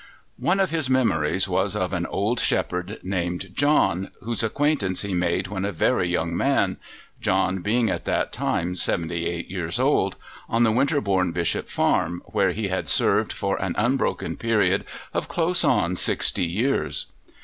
One of his memories was of an old shepherd named John, whose acquaintance he made when a very young man John being at that time seventy eight years old on the Winterbourne Bishop farm, where he had served for an unbroken period of close on sixty years.